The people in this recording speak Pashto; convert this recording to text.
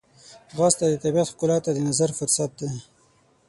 ځغاسته د طبیعت ښکلا ته د نظر فرصت دی